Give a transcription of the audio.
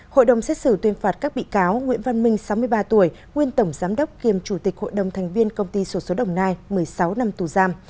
hội đồng xét xử tuyên phạt các bị cáo nguyễn văn minh sáu mươi ba tuổi nguyên tổng giám đốc kiêm chủ tịch hội đồng thành viên công ty sổ số đồng nai một mươi sáu năm tù giam